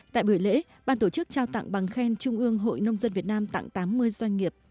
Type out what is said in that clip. tại buổi lễ ban tổ chức trao tặng bằng khen trung ương hội nông dân việt nam tặng tám mươi doanh nghiệp